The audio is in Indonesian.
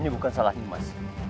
ini bukan salah nyi mas